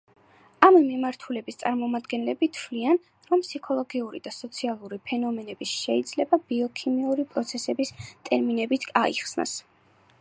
ამ მიმართულების წარმომადგენლები თვლიან, რომ ფსიქოლოგიური და სოციალური ფენომენები შეიძლება ბიოქიმიური პროცესების ტერმინებით აიხსნას.